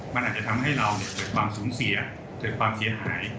มันอาจจะทำให้เราเกิดความสูญเสียเกิดความเสียหาย